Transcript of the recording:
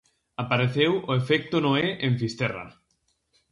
Apareceu o "efecto Noé" en Fisterra.